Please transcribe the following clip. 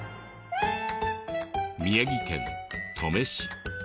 宮城県登米市。